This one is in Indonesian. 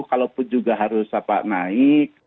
kalaupun juga harus naik